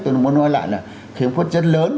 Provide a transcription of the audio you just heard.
tôi muốn nói lại là khiếm khuyết rất lớn